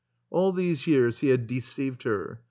All these years he had deceived her.